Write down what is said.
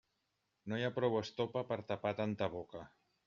No hi ha prou estopa per a tapar tanta boca.